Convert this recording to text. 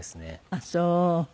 あっそう！